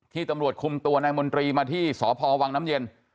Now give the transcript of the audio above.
ตำรวจคุมตัวนายมนตรีมาที่สพวังน้ำเย็น